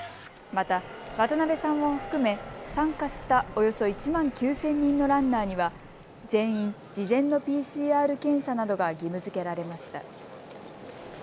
また渡辺さんを含め参加したおよそ１万９０００人のランナーには全員、事前のＰＣＲ検査などが義務づけられました。